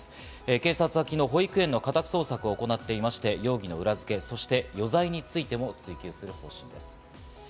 警察は昨日、保育園の家宅捜索を行っていまして、容疑の裏付け、そして余罪についても追及する方針です。